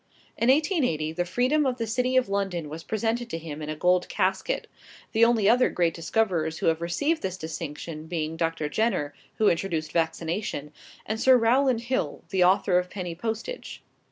In 1880 the freedom of the city of London was presented to him in a gold casket; the only other great discoverers who have received this distinction being Dr. Jenner, who introduced vaccination, and Sir Rowland Hill, the author of penny postage.